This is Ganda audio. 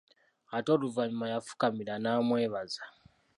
Ate oluvannyuma yafukamira n'amwebaza.